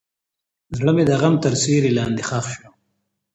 زړه مې د غم تر سیوري لاندې ښخ شو.